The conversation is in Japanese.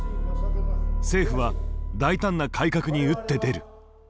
政府は大胆な改革に打って出る。